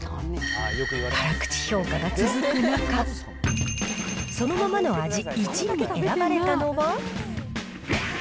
辛口評価が続く中、そのままの味１位に選ばれたのは。